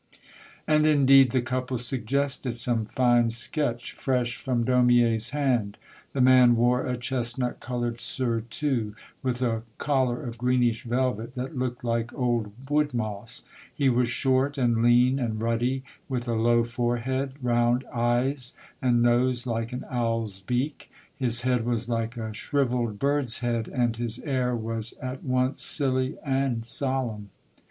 And indeed the couple suggested some fine sketch fresh from Daumier's hand. The man wore a chestnut colored surtout, with a collar of greenish velvet, that looked like old wood moss ; he was short and lean and ruddy, with a low forehead, round eyes, and nose like an owl's beak; his head was like a shrivelled bird's head, and his air was at The Mother, 35 once silly and solemn.